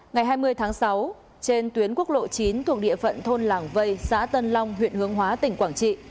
ngày hai mươi tháng sáu trên tuyến quốc lộ chín thuộc địa phận thôn làng vây xã tân long huyện hướng hóa tỉnh quảng trị